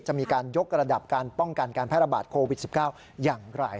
จะมีการยกระดับการป้องกันการแพร่ระบาดโควิด๑๙อย่างไร